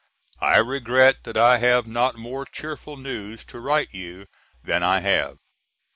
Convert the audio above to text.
I regret that I have not more cheerful news to write you than I have.